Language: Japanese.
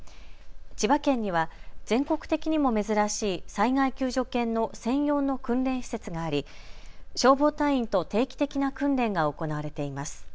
千葉県には全国的にも珍しい災害救助犬の専用の訓練施設があり消防隊員と定期的な訓練が行われています。